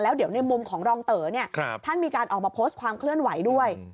เดี๋ยวในมุมของรองเต๋อท่านมีการออกมาโพสต์ความเคลื่อนไหวด้วย